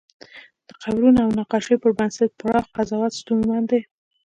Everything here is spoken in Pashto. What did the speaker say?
د قبرونو او نقاشیو پر بنسټ پراخ قضاوت ستونزمن دی.